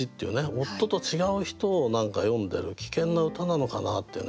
夫と違う人を詠んでる危険な歌なのかなっていうね。